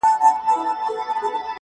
د سکريټو آخيري قطۍ ده پاته.